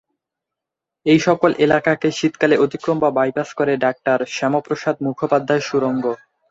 এই সকল এলাকাকে শীতকালে অতিক্রম বা বাইপাস করে ডাক্তার শ্যামাপ্রসাদ মুখোপাধ্যায় সুড়ঙ্গ।